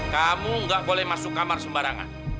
kamu nggak boleh masuk kamar sembarangan